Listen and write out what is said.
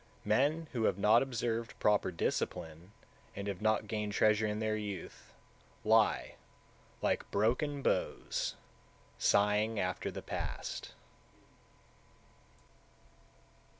156. Men who have not observed proper discipline, and have not gained treasure in their youth, lie, like broken bows, sighing after the past.